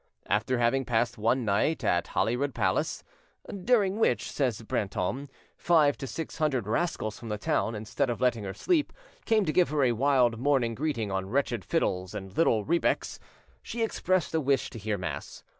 After having passed one night at Holyrood Palace, "during which," says Brantome, "five to six hundred rascals from the town, instead of letting her sleep, came to give her a wild morning greeting on wretched fiddles and little rebecks," she expressed a wish to hear mass.